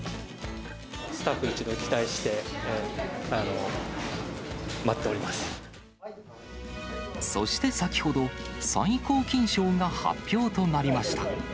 スタッフ一同、期待して待っそして先ほど、最高金賞が発表となりました。